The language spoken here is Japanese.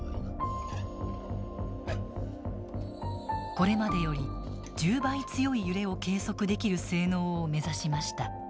これまでより１０倍強い揺れを計測できる性能を目指しました。